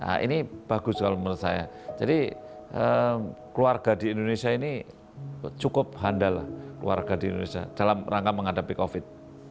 hai pak ini bagus kalau menurut saya jadi keluarga di indonesia ini cukup handal keluarga di indonesia dalam rangka menghadapi covid sembilan belas